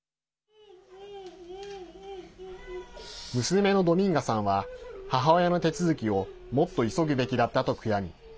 娘のドミンガさんは母親の手続きをもっと急ぐべきだったと悔やみ